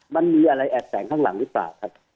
มันมีอะไรแอบแสงข้างหลังหรือเปล่าครับ